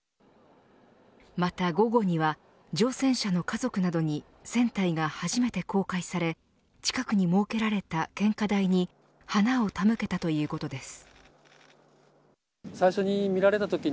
また午後には乗船者の家族などに船体が初めて公開され近くに設けられた献花台に花を手向けたということです。